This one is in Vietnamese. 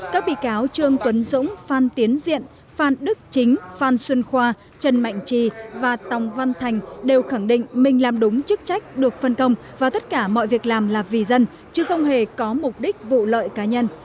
các bị cáo trương tuấn dũng phan tiến diện phan đức chính phan xuân khoa trần mạnh trì và tòng văn thành đều khẳng định mình làm đúng chức trách được phân công và tất cả mọi việc làm là vì dân chứ không hề có mục đích vụ lợi cá nhân